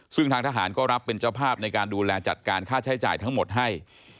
ซึ่งทางทหารก็รับเป็นเจ้าภาพในการดูแลจัดการค่าใช้จ่ายทั้งหมดให้